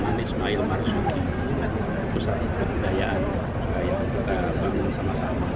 mohamad ismail marsudi pusat kebudayaan kita bangun sama sama